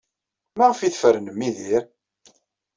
Maɣef ay tfernem Yidir?